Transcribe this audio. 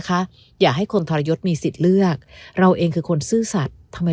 คะอย่าให้คนทรยศมีสิทธิ์เลือกเราเองคือคนซื่อสัตว์ทำไม